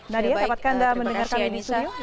nadia dapatkah anda mendengarkan di studio